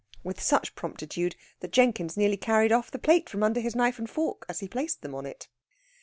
with such promptitude that Jenkins nearly carried off the plate from under his knife and fork as he placed them on it.